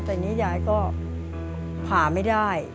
ทีนี้ยายก็ผ่าไม่ได้